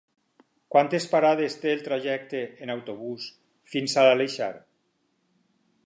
Quantes parades té el trajecte en autobús fins a l'Aleixar?